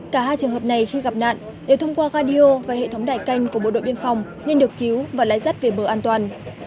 cả hai trường hợp này khi gặp nạn đều thông qua gadio và hệ thống đại canh của bộ đội biên phòng nên được cứu và lái dắt về bờ an toàn